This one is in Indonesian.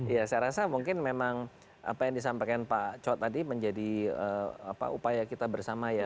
ya saya rasa mungkin memang apa yang disampaikan pak co tadi menjadi upaya kita bersama ya